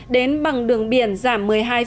đến bằng đường biển giảm một mươi hai hai